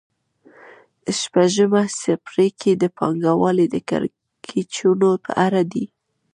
شپږم څپرکی د پانګوالۍ د کړکېچونو په اړه دی